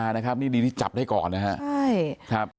เจ็ดตนานะครับนี่ดีที่จับได้ก่อนนะครับ